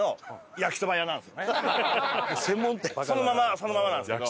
そのままそのままなんですけど。